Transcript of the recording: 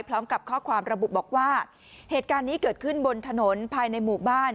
พร้อมกับข้อความระบุบอกว่าเหตุการณ์นี้เกิดขึ้นบนถนนภายในหมู่บ้าน